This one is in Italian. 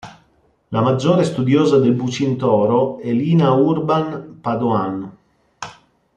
La maggiore studiosa del Bucintoro è Lina Urban Padoan.